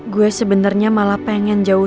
gue sebenernya malah pengen jauhin lo